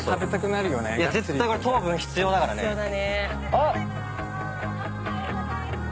あっ！